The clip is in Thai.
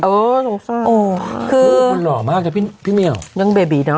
โอ้โฮสงสัยคุณหล่อมากจากพี่เมียวนั่งเบบีเนอะ